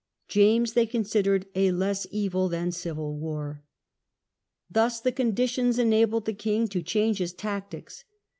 James they considered a less evil than civil war. Thus the conditions enabled the king to change his tactics.